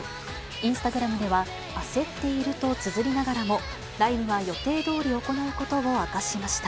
インスタグラムでは、焦っているとつづりながらも、ライブは予定どおり行うことを明かしました。